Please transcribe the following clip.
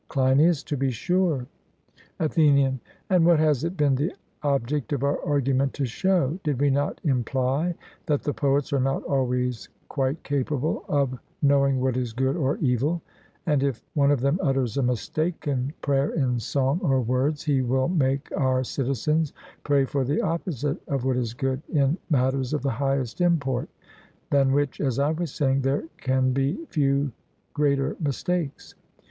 CLEINIAS: To be sure. ATHENIAN: And what has it been the object of our argument to show? Did we not imply that the poets are not always quite capable of knowing what is good or evil? And if one of them utters a mistaken prayer in song or words, he will make our citizens pray for the opposite of what is good in matters of the highest import; than which, as I was saying, there can be few greater mistakes.